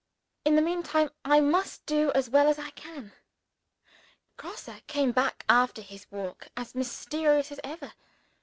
In the meantime, I must do as well as I can. Grosse came back after his walk as mysterious as ever.